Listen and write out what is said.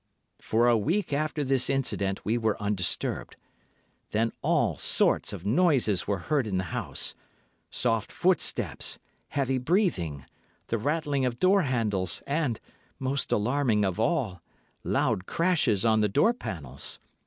"For a week after this incident we were undisturbed; then all sorts of noises were heard in the house—soft footsteps, heavy breathing, the rattling of door handles, and—most alarming of all—loud crashes on the door panels.